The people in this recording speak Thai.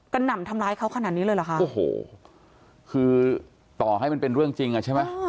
หน่ำทำร้ายเขาขนาดนี้เลยเหรอคะโอ้โหคือต่อให้มันเป็นเรื่องจริงอ่ะใช่ไหม